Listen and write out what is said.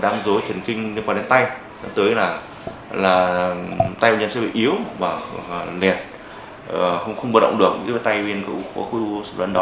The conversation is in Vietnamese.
dẫn tới những dây thần kinh liên quan đến tay dẫn tới là tay bệnh nhân sẽ bị yếu và nền không bơ động được với tay bên khối ưu sụp đoán đó